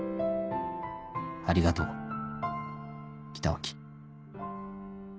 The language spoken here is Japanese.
ありがとう北脇」。